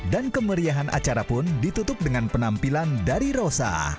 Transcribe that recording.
dan kemeriahan acara pun ditutup dengan penampilan dari rosa